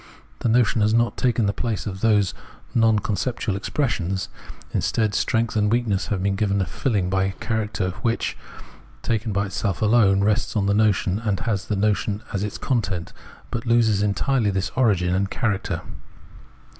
The notion has not taken the place of those non con ceptual expressions ; instead, strength and weakness have been given a filling by a characteristic which, taken by itself alone, rests on the notion, and has the notion as its content, but loses entirely this origin and character.